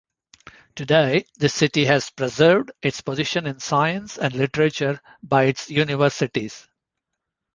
Today this city has preserved its position in science and literature by its universities.